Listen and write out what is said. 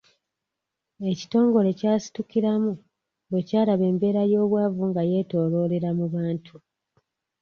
Ekitongole kyasitukiramu bwe kyalaba embeera y'obwavu nga yeetooloolera mu bantu.